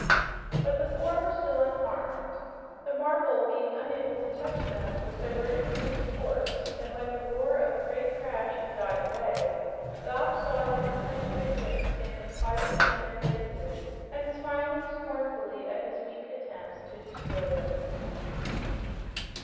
But the four were still unharmed. The marble, being unable to touch them, was diverted from its course, and when the roar of the great crash had died away, Zog saw his intended victims standing quietly in their places and smiling scornfully at his weak attempts to destroy them.